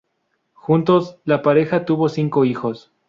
Juntos, la pareja tuvo cinco hijos.